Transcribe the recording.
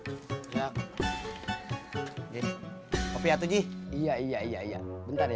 ini opiatu ji iya iya iya iya bentar ya